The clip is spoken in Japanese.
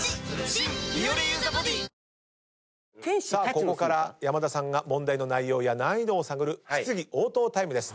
ここから山田さんが問題の内容や難易度を探る質疑応答タイムです。